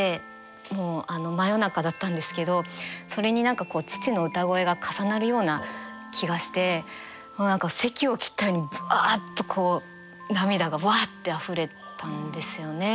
もう真夜中だったんですけどそれに何かこう父の歌声が重なるような気がしてもう何かせきを切ったようにぶわっとこう涙がぶわってあふれたんですよね。